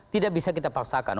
tidak bisa kita paksakan